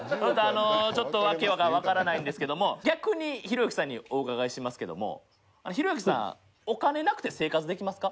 ちょっと訳が分からないんですけども逆に、ひろゆきさんにお伺いしますけどもひろゆきさんお金なくて生活できますか？